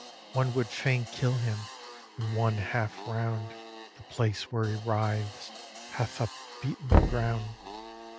One would fain kill him; and one half round The place where he writhes, hath up beaten the ground.